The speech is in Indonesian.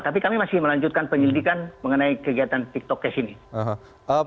tapi kami masih melanjutkan penyelidikan mengenai kegiatan tiktok cash ini